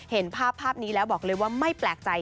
เห็นภาพนี้แล้วบอกเลยว่าไม่แปลกใจ